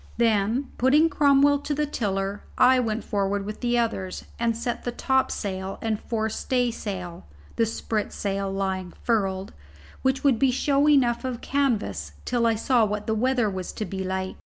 Then, putting Cromwell to the tiller, I went forward with the others and set the topsail and forestaysail (the spritsail lying furled), which would be show enough of canvas till I saw what the weather was to be like.